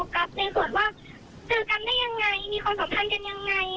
เจอกันได้อย่างไรมีความสัมพันธ์กันอย่างไร